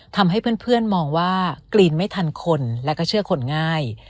ทำให้เพื่อนมองว่ากรีนไม่ทันคนและก็เชื่อคนง่าย